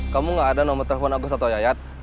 kamu gak ada nomor telepon agus atau yayat